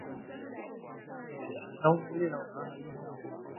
春天的山原来这么安静